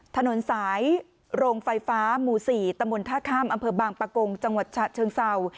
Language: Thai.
ถนนสายโรงไฟฟ้าหมู่๔ตำบลท่าข้ามอำเภอบางปะกงจังหวัดฉะเชิงเศร้า